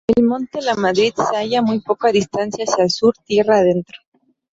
El monte Lamadrid se halla a muy poca distancia hacia el sur, tierra adentro.